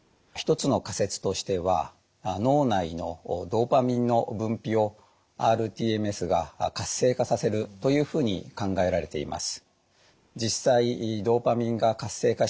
１つの仮説としては脳内のドパミンの分泌をｒＴＭＳが活性化させるというふうに考えられています。